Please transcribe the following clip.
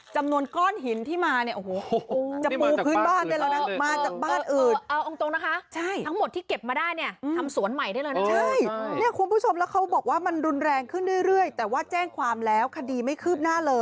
จำนวนก้อนหินที่มาเนี่ยโอ้โหจะปูบคืนบ้านได้เลยน่ะมาจากบ้านอื่น